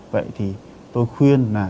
vậy thì tôi khuyên là